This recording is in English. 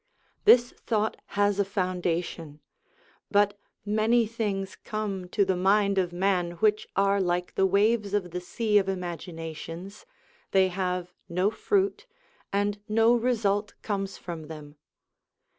This thought has a founda tion ; but many things come to the mind of man which are like the waves of the sea of imaginations, they have no fruit, and no result comes from them.